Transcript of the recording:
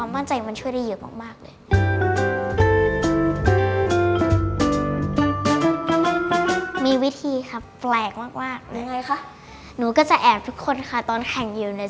มันเป็นวิธีลับค่ะหนูไม่เคยบอกใครเลย